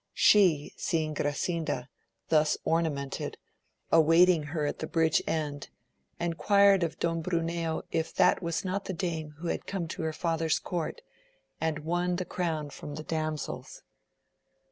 She seeing Grasinda thus ornamented await 74 AMADIS OF GAUL ing her at the bridge end, enquired of Don Bruneo if that was not the dame who had come to her father's court, and won the crown from the damsels.